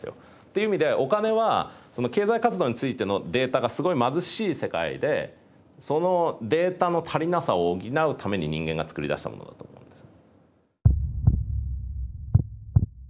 という意味でお金は経済活動についてのデータがすごい貧しい世界でそのデータの足りなさを補うために人間が作り出したものだと思うんです。